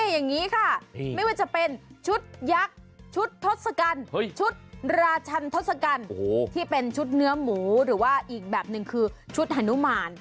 อย่างนี้ค่ะไม่ว่าจะเป็นชุดยักษ์ชุดทศกัณฐ์ชุดราชันทศกัณฐ์ที่เป็นชุดเนื้อหมูหรือว่าอีกแบบหนึ่งคือชุดฮานุมาน